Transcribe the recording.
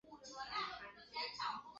南宁高新技术产业开发区